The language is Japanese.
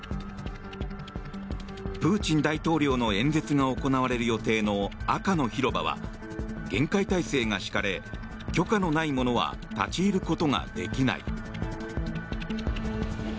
プーチン大統領の演説が行われる予定の赤の広場は厳戒態勢が敷かれ許可のない者は立ち入ることができない。